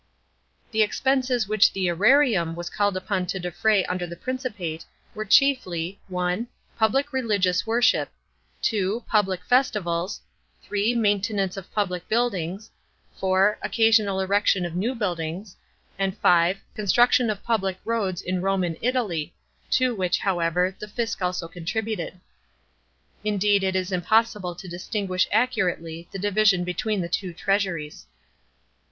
The expenses which the eerariwn was called upon to defray under the Principate were chiefly (1) public religious worship, (2) public festivals, (3) maintenance of public buildings, (4) oc casional erection of new buildings, and (5) construction of public roads in Rome and Italy, to which, however, the fisc also con tributed. Indeed it is impossible to distinguish accurately the division between the two treasuries.